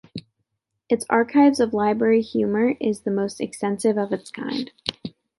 Its Archives of Library Humor is the most extensive of its kind.